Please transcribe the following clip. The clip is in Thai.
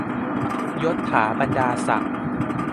ยศฐาบรรดาศักดิ์